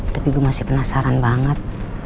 tapi gue masih penasaran banget